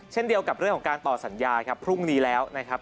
เช่นเดียวกับเรื่องของการต่อสัญญาครับพรุ่งนี้แล้วนะครับ